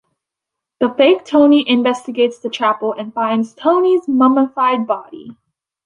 The fake Tony investigates the chapel, and finds Tony's mummified body.